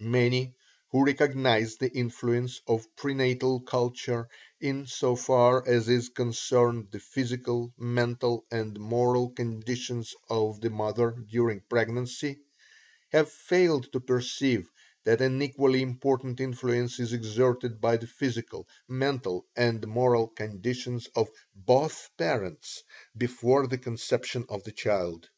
Many who recognize the influence of pre natal culture in so far as is concerned the physical, mental, and moral condition of the mother during pregnancy, have failed to perceive that an equally important influence is exerted by the physical, mental and moral condition of BOTH PARENTS before the conception of the child.